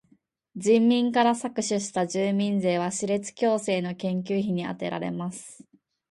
人民から搾取した住民税は歯列矯正の研究費にあてられます。